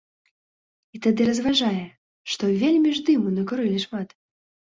І тады разважае, што вельмі ж дыму накурылі шмат.